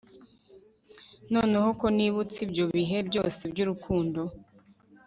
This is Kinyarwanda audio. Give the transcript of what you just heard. noneho ko nibutse ibyo bihe byose byurukundo